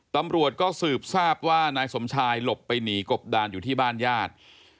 ตำรวจก็สืบทราบว่านายสมชายหลบไปหนีกบดานอยู่ที่บ้านญาติ